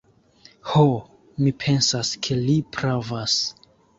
Ho, mi pensas ke li pravas.